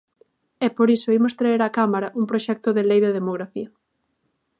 E por iso imos traer á Cámara un proxecto de lei de demografía.